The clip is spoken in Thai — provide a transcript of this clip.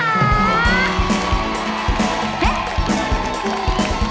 รักกันมาหัวใจมันอยากเสนอ